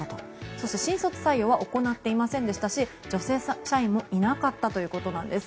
そして、新卒採用は行っていませんでしたし女性社員もいなかったということなんです。